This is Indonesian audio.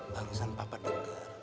barusan papa denger